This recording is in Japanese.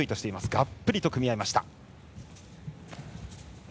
がっぷりと組み合いました。